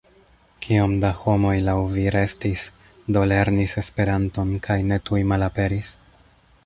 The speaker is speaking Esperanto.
Kiom da homoj laŭ vi restis, do lernis Esperanton kaj ne tuj malaperis?